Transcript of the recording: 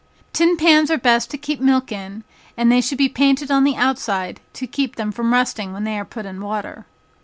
Tin pans are best to keep milk in, and they should be painted on the outside to keep them from rusting when they are put in water.